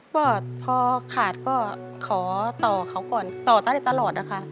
ก็พอขาดก็ขอต่อเขาก่อนต่อต้าได้ตลอดนะคะ